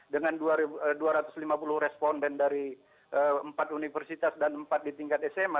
dengan dua ratus lima puluh responden dari empat universitas dan empat di tingkat sma